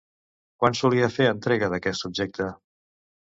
Quan solia fer entrega d'aquest objecte?